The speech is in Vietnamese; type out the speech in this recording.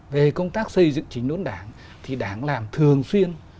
về công tác xây dựng chính đốn đảng thì đảng làm thường xuyên